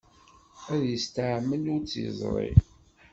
Ad yesteɛmel ur tt-yeẓri.